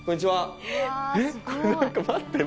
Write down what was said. えっ？